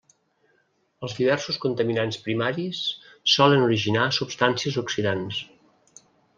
Els diversos contaminants primaris solen originar substàncies oxidants.